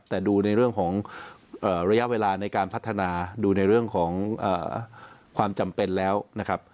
แต่ดูในเรื่องของระยะเวลาในการพัฒนาดูในเรื่องของความจำเป็นแล้วนะครับ